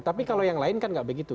tapi kalau yang lain kan nggak begitu